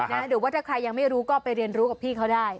หรือว่าถ้าใครยังไม่รู้ก็ไปเรียนรู้กับพี่เขาได้